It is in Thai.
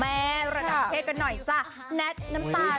ไม่เชื่อไปฟังกันหน่อยค่ะ